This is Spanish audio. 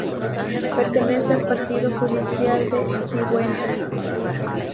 Pertenece al Partido Judicial de Sigüenza.